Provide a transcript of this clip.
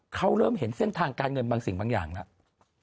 เขาเริ่มเห็นเส้นทางการเงินบางสิ่งบางอย่างแล้ว